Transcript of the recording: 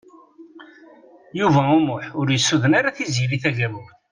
Yuba U Muḥ ur yessuden ara Tiziri Tagawawt.